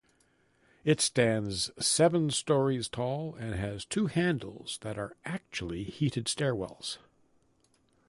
It stands seven stories tall and has two handles that are actually heated stairwells.